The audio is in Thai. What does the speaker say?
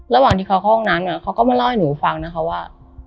ระหว่างที่เขาเข้าห้องนั้นเขาก็มาเล่าให้หนูฟังนะคะว่า